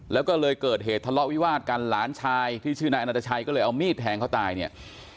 แล้วก็เลยเกิดเหตุทะเลาะวิวาดกันหลานชายที่ชื่อนายอนัตชัยก็เลยเอามีดแทงเขาตายเนี่ย